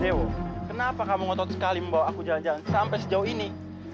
dewo kenapa kamu ngotot sekali membawa aku jalan jalan sampai sejauh ini